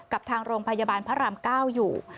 กับทางโรงพยาบาลพระราม๙อยู่